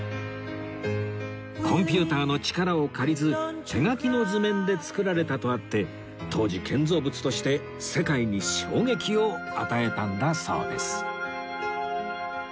コンピューターの力を借りず手書きの図面で造られたとあって当時建造物として世界に衝撃を与えたんだそうです